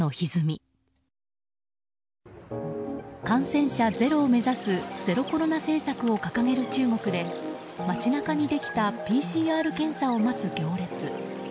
感染者ゼロを目指すゼロコロナ政策を掲げる中国で街中にできたＰＣＲ検査を待つ行列。